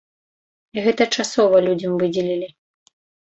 Гэта часова людзям выдзелілі.